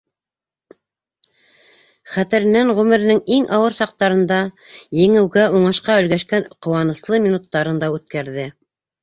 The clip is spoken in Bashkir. Хәтеренән ғүмеренең иң ауыр саҡтарын да, еңеүгә, уңышҡа өлгәшкән ҡыуаныслы минуттарын да үткәрҙе.